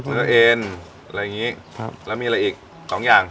เนื้อเอ็นอะไรอย่างนี้ครับแล้วมีอะไรอีกสองอย่าง